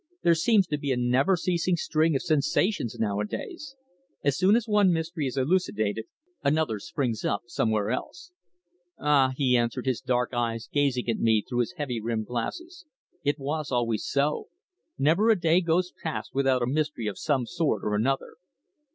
There seems to be a never ceasing string of sensations nowadays. As soon as one mystery is elucidated another springs up somewhere else." "Ah," he answered, his dark eyes gazing at me through his heavy rimmed glasses, "it was always so. Never a day goes past without a mystery of some sort or another."